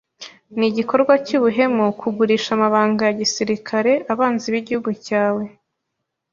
Ni igikorwa cyubuhemu kugurisha amabanga ya gisirikare abanzi b'igihugu cyawe.